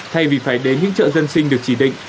thay vì phải đến những chợ dân sinh được chỉ định